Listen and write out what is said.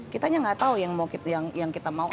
kitanya gak tau yang kita mau apa